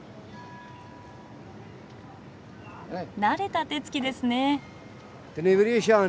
慣れた手つきですね。